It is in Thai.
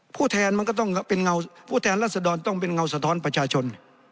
ผู้แทนมันก็ต้องเป็นเงาผู้แทนรัศดรต้องเป็นเงาสะท้อนประชาชน